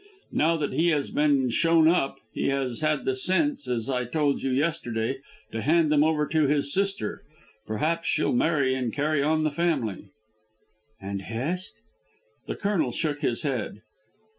Now that he has been shown up, he has had the sense, as I told you yesterday, to hand them over to his sister. Perhaps she'll marry and carry on the family." "And Hest?" The Colonel shook his head.